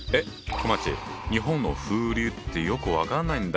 こまっち日本の風流ってよく分かんないんだよ。